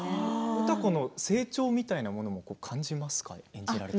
歌子の成長みたいなものは感じますか？